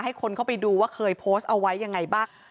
คนเข้าไปดูว่าเคยโพสต์เอาไว้ยังไงบ้าง